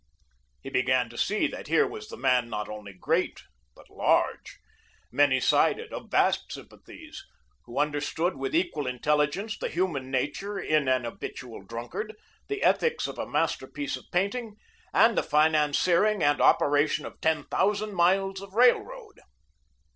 He began to see that here was the man not only great, but large; many sided, of vast sympathies, who understood with equal intelligence, the human nature in an habitual drunkard, the ethics of a masterpiece of painting, and the financiering and operation of ten thousand miles of railroad.